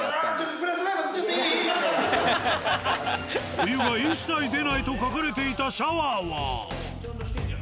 お湯が一切出ないと書かれていたシャワーは？